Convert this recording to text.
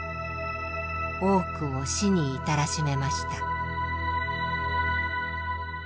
多くを死に至らしめました。